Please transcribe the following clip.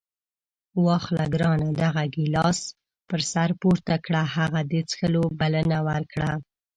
واخله ګرانه دغه ګیلاس پر سر پورته کړه. هغه د څښلو بلنه ورکړه.